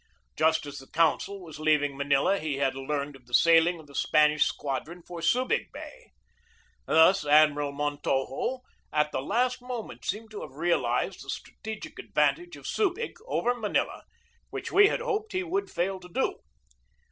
Just as the consul was leaving Manila he had learned of the sailing of the Spanish squadron for Subig Bay. Thus Admiral Montojo at the last moment seemed to have realized the THE BATTLE OF MANILA BAY 205 strategic advantage of Subig over Manila, which we had hoped he would fail to do.